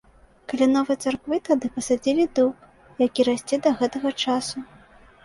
Каля новай царквы тады пасадзілі дуб, які расце да гэтага часу.